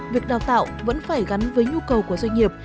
việc đào tạo vẫn phải gắn với nhu cầu của doanh nghiệp